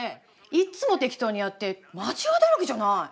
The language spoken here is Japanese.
いっつも適当にやって間違いだらけじゃない。